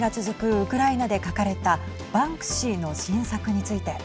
ウクライナで描かれたバンクシーの新作について。